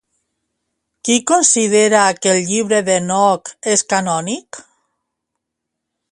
Qui considera que el Llibre d'Henoc és canònic?